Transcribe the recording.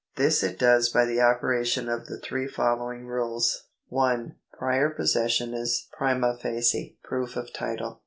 This it does by the operation of the three following rules : 1. Prior possession is prima facie proof of title.